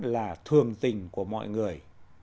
là thường tình của mọi người